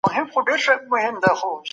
څېړونکي باید د اثر ډول معلوم کړي.